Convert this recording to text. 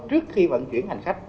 trước khi vận chuyển hành khách